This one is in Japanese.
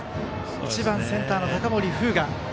１番センター、高森風我。